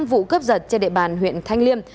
năm vụ cướp giật trên địa bàn huyện thanh liêm